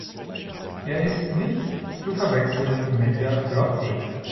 Er ist nicht zu verwechseln mit der Flottbek.